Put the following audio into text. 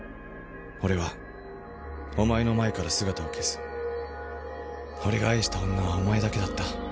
「俺はおまえの前から姿を消す」「俺が愛した女はおまえだけだった」